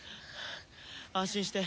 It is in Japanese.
安心して。